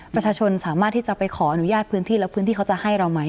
ประชาชนสามารถที่จะไปขออนุญาตพื้นที่แล้วพื้นที่เขาจะให้เราไหม